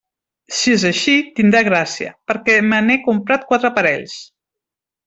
Si és així, tindrà gràcia, perquè me n'he comprat quatre parells.